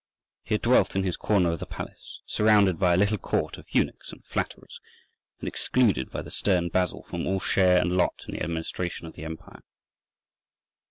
He had dwelt in his corner of the palace surrounded by a little court of eunuchs and flatterers, and excluded by the stern Basil from all share and lot in the administration of the empire.